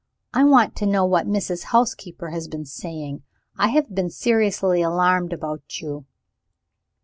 I want to know what Mrs. Housekeeper has been saying. I have been seriously alarmed about you."